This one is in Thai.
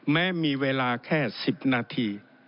แม้มีเวลาแค่๑๐นาที